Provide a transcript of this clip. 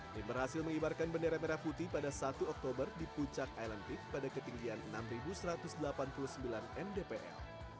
tim berhasil mengibarkan bendera merah putih pada satu oktober di puncak island peak pada ketinggian enam satu ratus delapan puluh sembilan mdpl